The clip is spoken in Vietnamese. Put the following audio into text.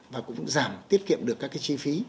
và cũng giảm tiết kiệm được các chi phí